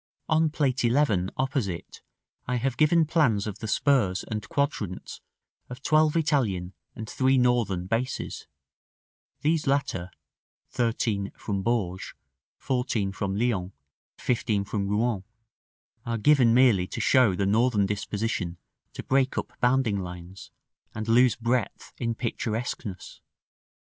On Plate XI., opposite, I have given plans of the spurs and quadrants of twelve Italian and three Northern bases; these latter (13), from Bourges, (14) from Lyons, (15) from Rouen, are given merely to show the Northern disposition to break up bounding lines, and lose breadth in picturesqueness.